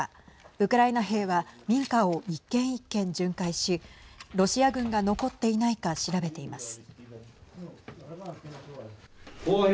ウクライナ兵は民家を一軒一軒、巡回しロシア軍が残っていないか調べています。